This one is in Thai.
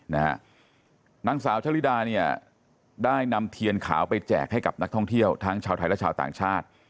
นางสาวชะลิดาเนี่ยได้นำเทียนขาวไปแจกให้กับนักท่องเที่ยวทั้งชาวไทยและชาวต่างชาติ